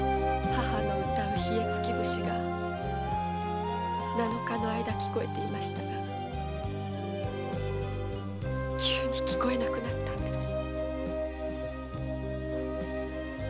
母の歌うヒエツキ節が七日の間聞こえていましたが急に聞こえなくなったんです。